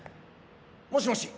もしもし。